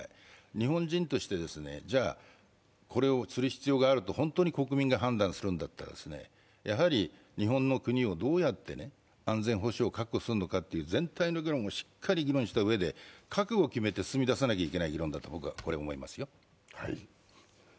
日本人としてこれをする必要があると本当に国民が判断するとしたら日本の国をどうやって安全保障を確保するのかという全体の議論をしっかり議論したうえで覚悟を決めて進み出さなきゃいけない議論だと僕は思います。